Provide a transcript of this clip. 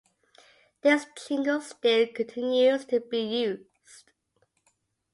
This jingle still continues to be used.